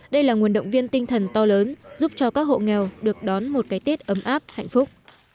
đây là nguồn động viên tinh thần to lớn giúp cho các hộ nghèo được đón một cái tết ấm áp hạnh phúc